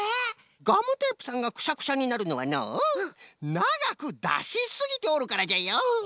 ガムテープさんがくしゃくしゃになるのはのうながくだしすぎておるからじゃよ！